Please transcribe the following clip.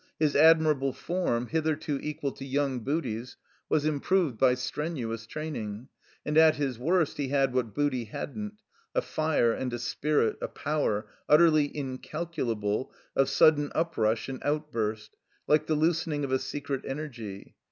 His ad mirable form, hitherto equal to yoimg Booty's, was improved by strenuous training, and at his worst he had what Booty hadn't, a fire and a spirit, a power, utterly incalculable, of sudden uprush and outburst, like the loosening of a secret energy.